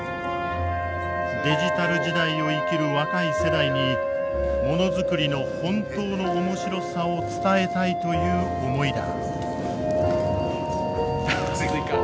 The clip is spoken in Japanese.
デジタル時代を生きる若い世代にものづくりの本当の面白さを伝えたいという思いだ。